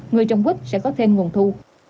người trồng quýt sẽ có thêm nguồn thu